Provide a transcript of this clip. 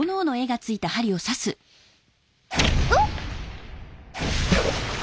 あっ！